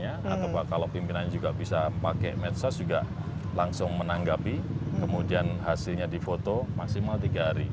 atau kalau pimpinan juga bisa pakai medsos juga langsung menanggapi kemudian hasilnya di foto maksimal tiga hari